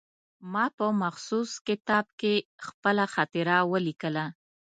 ما په مخصوص کتاب کې خپله خاطره ولیکله.